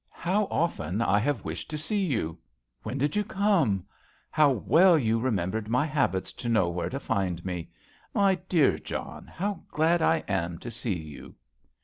How often I have wished to e you. When did you come ? ow well you remembered my tbits to know where to find My dear John, how glad I a to see you."